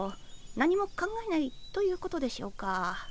何も考えないということでしょうか？